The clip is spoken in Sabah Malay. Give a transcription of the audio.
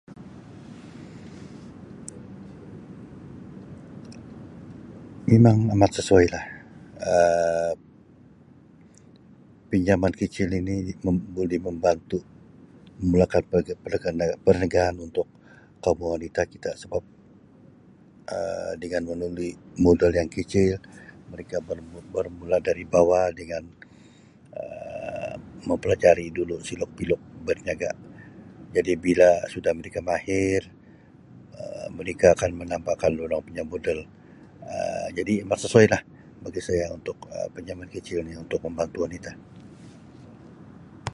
Mimang amat sesuai lah Um pinjaman kicil ini mem boleh membantu memulakan [unintelligible] perniagaan untuk kaum wanita kita sebab Um dengan melalui modal yang kicil mereka ber-bermula dari bawah dengan Um mempelajari dulu selok-belok berniaga jadi bila sudah mereka mahir Um mereka akan menambahkan dorang punya modal Um jadi memang sesuai lah bagi saya untuk pinjaman kicil ni untuk membantu wanita.